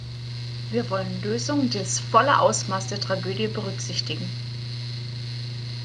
Wir wollen Lösungen, die das volle Ausmaß der Tragödie berücksichtigen.